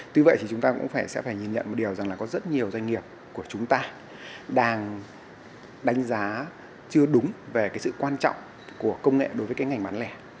tuy vậy thì chúng ta cũng phải sẽ phải nhìn nhận một điều rằng là có rất nhiều doanh nghiệp của chúng ta đang đánh giá chưa đúng về cái sự quan trọng của công nghệ đối với cái ngành bán lẻ